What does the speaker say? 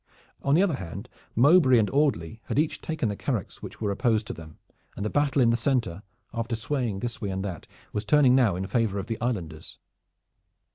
On the other hand, Mowbray and Audley had each taken the caracks which were opposed to them, and the battle in the center, after swaying this way and that, was turning now in favor of the Islanders.